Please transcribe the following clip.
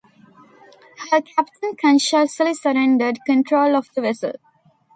Her captain consciously surrendered control of the vessel.